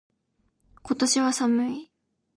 今年は寒い。